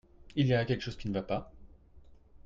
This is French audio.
Il y a quelque chose qui ne va pas ?